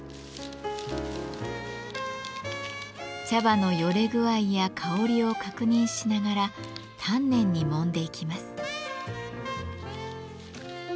茶葉のよれ具合や香りを確認しながら丹念にもんでいきます。